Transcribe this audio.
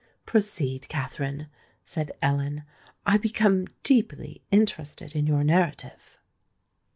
"Proceed, Katherine," said Ellen. "I become deeply interested in your narrative."